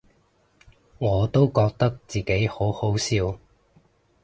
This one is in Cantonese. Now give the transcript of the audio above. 我都覺得自己好好笑